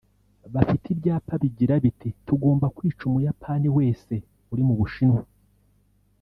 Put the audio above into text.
bafite ibyapa bigira biti “Tugomba kwica Umuyapani wese uri mu Bushinwa”